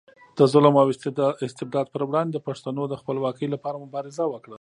د ظلم او استبداد پر وړاندې د پښتنو د خپلواکۍ لپاره مبارزه وکړه.